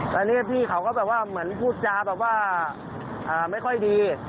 แล้วนี่พี่เขาก็แบบว่าเหมือนพูดจาแบบว่าไม่ค่อยดี